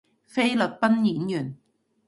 菲律賓演員